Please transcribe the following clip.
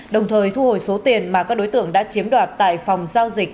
đồng thời thu hồi số tiền mà các đối tượng đã chiếm đoạt tại phòng giao dịch